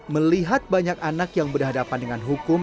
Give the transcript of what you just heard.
melihat banyak anak yang berhadapan dengan hukum